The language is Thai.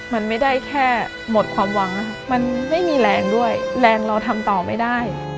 มันไม่ได้แค่หมดความหวังมันไม่มีแรงด้วยแรงเราทำต่อไม่ได้